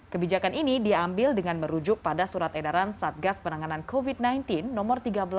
kebijakan ini diambil dengan merujuk pada surat edaran satgas penanganan covid sembilan belas no tiga belas dua ribu dua puluh satu